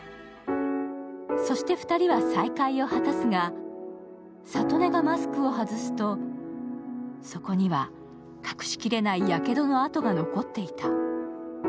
そして２人は再会を果たすが、郷音がマスクを外すとそこには、隠しきれないやけどの痕が残っていた。